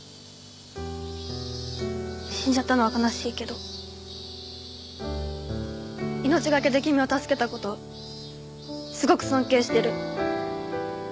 死んじゃったのは悲しいけど命がけで君を助けた事すごく尊敬してる。